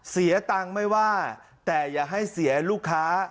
เสียตังค์ไม่ว่าแต่อย่าให้เสียลูกค้า